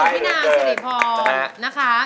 หน้าเหมือนพี่นางเสร็จพอ